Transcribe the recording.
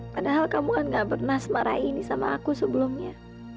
padahal kamu kan gak pernah semarai sama aku sebelumnya